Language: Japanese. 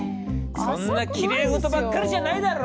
そんなきれいごとばっかりじゃないだろ？